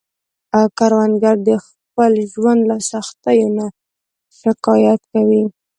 کروندګر د خپل ژوند له سختیو نه نه شکايت کوي